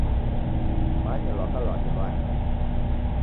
Kumanye lwaka lwake lwaenda.